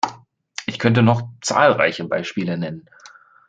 Ich könnte noch zahlreiche Beispiele nennen.